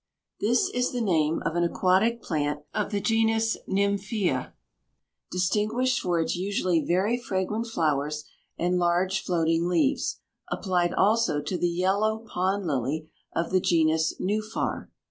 This is the name of an aquatic plant of the genus Nymphæa, distinguished for its usually very fragrant flowers and large, floating leaves; applied also to the yellow pond lily of the genus Nuphar.